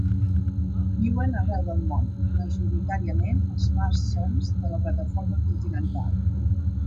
Viuen arreu del món, majoritàriament als mars soms de la plataforma continental.